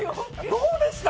どうでした！？